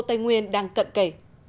tây nguyên đang cận kể